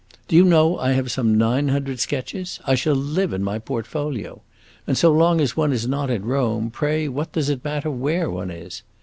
Do you know I have some nine hundred sketches? I shall live in my portfolio. And so long as one is not in Rome, pray what does it matter where one is?